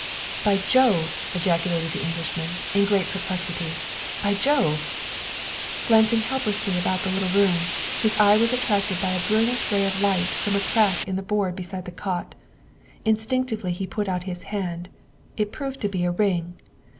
"By Jove!" ejaculated the Englishman, in great perplexity, '' by Jove !'' Glancing helplessly about the little room, his eye was attracted by a brilliant ray of light from a crack in the board beside the cot. Instinctively he put out his hand ; it proved to be a ring.